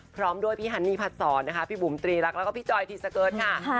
พร้อมด้วยพี่ฮันนี่ผัดสอนพี่บุมตรีและพี่จอยทีสเกิร์ตค่ะ